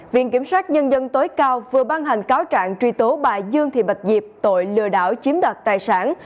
viện kiểm soát nhân dân tối cao vừa ban hành cáo trạng truy tố bà dương thị bạch diệp tội lừa đảo chiếm đoạt tài sản